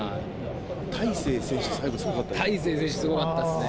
大勢選手、大勢選手、すごかったですね。